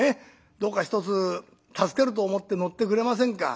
どうかひとつ助けると思って乗ってくれませんか？」。